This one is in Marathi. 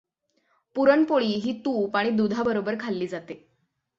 पुरणपोळी ही तुप आणि दुधाबरोबर खाल्ली जाते.